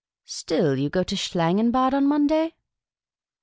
" Still, 3'ou go to Schlangenbad on Monday